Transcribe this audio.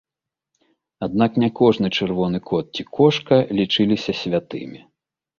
Аднак не кожны чырвоны кот ці кошка лічыліся святымі.